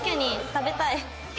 食べたい。